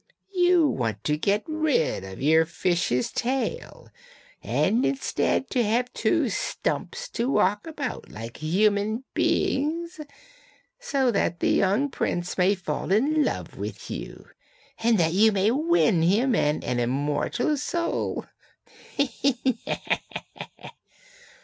You want to get rid of your fish's tail, and instead to have two stumps to walk about upon like human beings, so that the young prince may fall in love with you, and that you may win him and an immortal soul.'